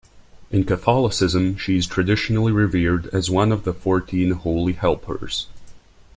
In Catholicism she is traditionally revered as one of the Fourteen Holy Helpers.